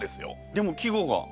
でも季語が。